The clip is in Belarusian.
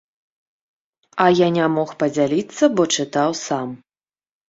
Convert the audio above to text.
А я не мог падзяліцца, бо чытаў сам.